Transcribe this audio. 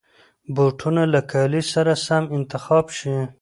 بوټونه له کالي سره سم انتخاب شي.